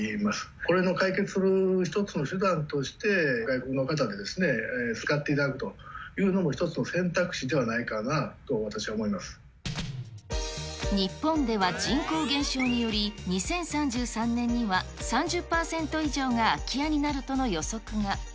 これの解決の１つの手段として、外国の方に使っていただくというのも１つの選択肢ではないかなと、日本では人口減少により、２０３３年には３０％以上が空き家になるとの予測が。